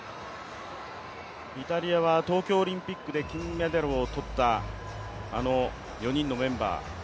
イタリアは東京オリンピックで金メダルを取ったあの４人のメンバー